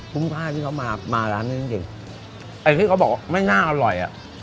ค่าที่เขามามาร้านนี้จริงจริงไอ้ที่เขาบอกว่าไม่น่าอร่อยอ่ะ